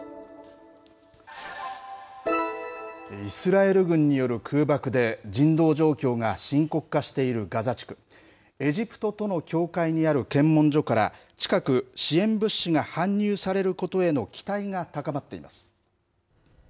イスラエル軍による空爆で人道状況が深刻化しているガザ地区エジプトとの境界にある検問所から近く、支援物資が搬入されることへの期待が高まっています。